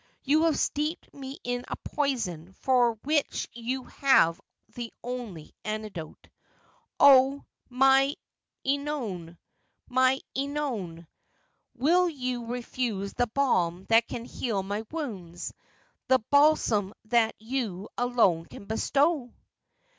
You have steeped me in a poison for which you have the only antidote. Oh ! my Qilnone ! my CEnone ! will you refuse the balm that can heal my wounds, the balsam that you alone can bestow